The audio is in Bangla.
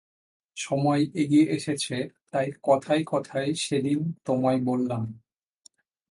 সময় এগিয়ে এসেছে তাই কথায় কথায় সেদিন তোমায় বললাম।